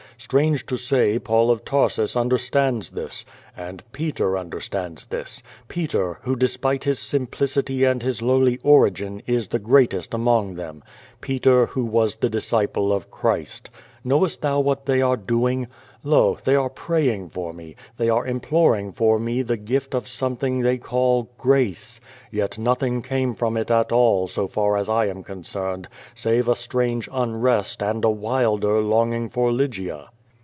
Strange to say, Paul of Tarsus understands this. And Peter under stands this — Peter, w;ho despite his simplicity and his lowly origin, is the greatest among them — Peter wlio was the dis ciple of Christ. Knowest thou what they arc doing? Lo! they are praying for me, they are imploring for me the gift of something they call grace, yet nothing came from it at all, so far as I am concerned, save a strange unrest and a wilder longing for Lygia.